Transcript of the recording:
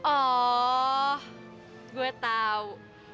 oh gue tahu